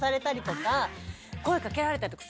声かけられたりとか。